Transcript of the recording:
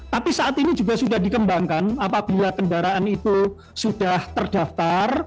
tapi saat ini juga sudah dikembangkan apabila kendaraan itu sudah terdaftar